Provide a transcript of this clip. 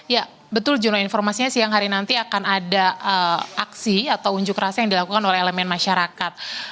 ya betul jono informasinya siang hari nanti akan ada aksi atau unjuk rasa yang dilakukan oleh elemen masyarakat